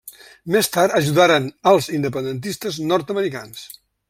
Més tard ajudaren als independentistes nord-americans.